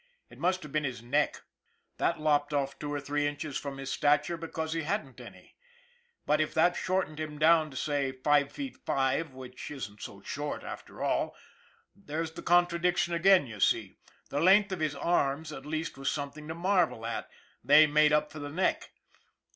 It must have been his neck. That lopped off two or three inches from his stature because he hadn't any ! But if that shortened him down to, say, five feet five, which isn't so short after all there's the contradiction again, you see the length of his arms at least was something to marvel at, they made up for the neck.